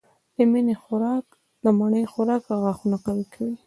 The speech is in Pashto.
د مڼې خوراک غاښونه قوي کوي.